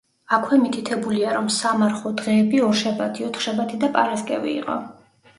აქვე მითითებულია, რომ სამარხვო დღეები ორშაბათი, ოთხშაბათი და პარასკევი იყო.